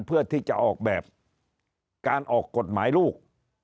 เพื่อที่จะออกแบบการออกกฎหมายลูก